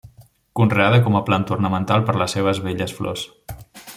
Conreada com a planta ornamental per les seves belles flors.